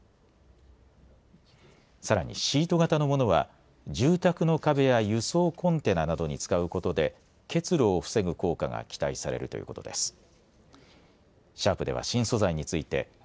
さらにシート型のものは住宅の壁や輸送コンテナなどに使うことで結露を防ぐ効果が期待されるということです。